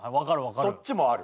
そっちもある。